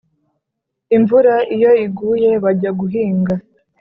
Imvura iyo iguye bajya guhinga